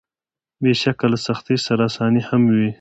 بېشکه له سختۍ سره اساني هم وي.